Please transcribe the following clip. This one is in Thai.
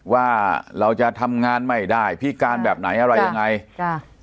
ว่าเราจะทำงานไม่ได้พิการแบบไหนอะไรยังไงจ้ะ